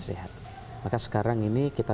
sehat maka sekarang ini kita